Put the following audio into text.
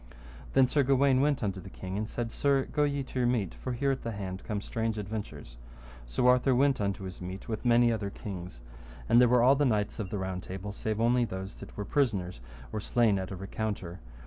Then Sir Gawaine went unto the king and said, Sir, go to your meat, for here at the hand come strange adventures. So Arthur went unto his meat with many other kings. And there were all the knights of the Round Table, [save] only those that were prisoners or slain at a recounter.